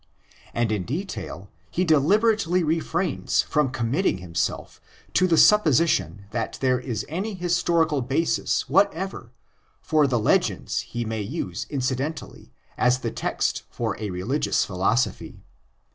And in detail he deliberately refrains from committing himself to the supposition that there is any historical basis gvhat ever for the legends he may use incidentally as the text for ἃ religious philosophy.